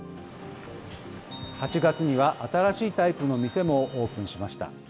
８月には新しいタイプの店もオープンしました。